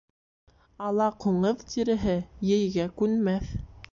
Ала ҡуңыҙ тиреһе ейгә күнмәҫ.